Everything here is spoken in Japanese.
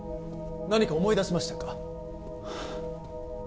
何か思い出しましたか？